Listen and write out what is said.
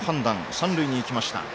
三塁に行きました。